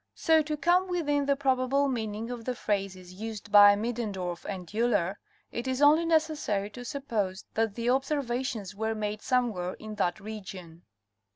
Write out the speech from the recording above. So to come within the probable meaning of the phrases used by Middendorf and Euler it is only necessary to suppose that the observations were made somewhere in that region.